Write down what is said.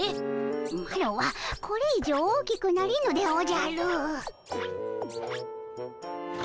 マロはこれ以上大きくなれぬでおじゃる。